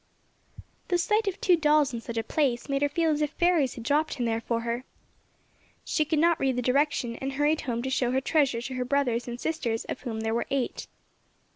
The sight of two dolls in such a place made her feel as if fairies had dropped them there for her. She could not read the direction and hurried home to show her treasure to her brothers and sisters of whom there were eight.